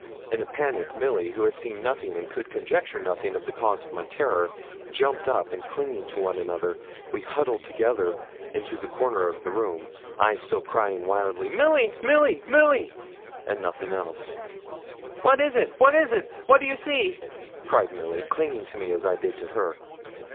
In a panic, Milly, who had seen nothing, and could conjecture nothing of the cause of my terror, jumped up, and clinging to one another, we huddled together into the corner of the room, I still crying wildly, 'Milly! Milly! Milly!' and nothing else. 'What is it where is it what do you see?' cried Milly, clinging to me as I did to her.